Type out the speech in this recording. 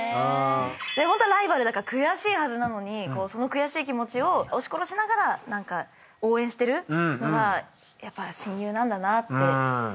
ホントはライバルだから悔しいはずなのにその悔しい気持ちを押し殺しながら応援してるのがやっぱ親友なんだなって。